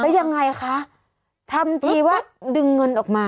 แล้วยังไงคะทำทีว่าดึงเงินออกมา